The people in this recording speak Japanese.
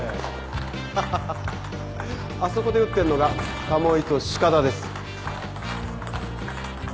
ハハハあそこで打ってるのが鴨井と鹿田です。